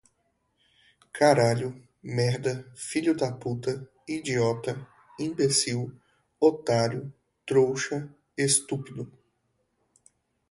Caralho, merda, filho da puta, idiota, imbecil, otário, trouxa, estúpido